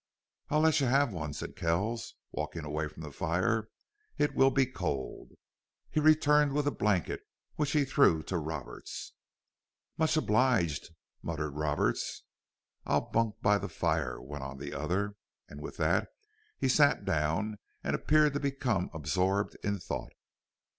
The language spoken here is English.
"I'll let you have one," said Kells, walking away from the fire. "It will be cold." He returned with a blanket, which he threw to Roberts. "Much obliged," muttered Roberts. "I'll bunk by the fire," went on the other, and with that he sat down and appeared to become absorbed in thought.